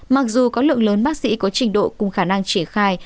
mặc dù có lượng lớn bác sĩ có trình độ cùng khả năng triển khai